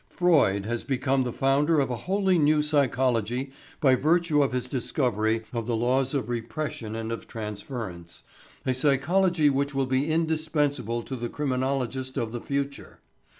Freud has become the founder of a wholly new psychology by virtue of his discovery of the laws of repression and of transference a psychology which will be indispensable to the criminologist of the future.